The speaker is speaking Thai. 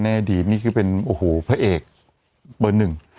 อดีตนี่คือเป็นโอ้โหพระเอกเบอร์หนึ่ง